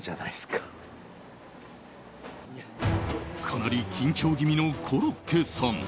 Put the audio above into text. かなり緊張気味のコロッケさん。